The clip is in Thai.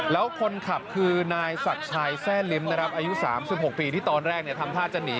แล้วคนขับคือนายศักดิ์ชายแร่ลิ้มนะครับอายุ๓๖ปีที่ตอนแรกทำท่าจะหนี